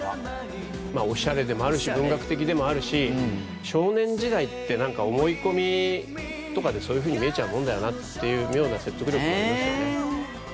おしゃれでもあるし文学的でもあるし少年時代ってなんか思い込みとかでそういうふうに見えちゃうもんだよなという妙な説得力がありますよね。